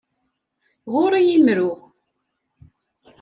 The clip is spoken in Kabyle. Ɣur-i imru.